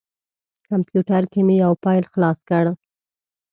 کمپیوټر کې مې یو فایل خلاص کړ.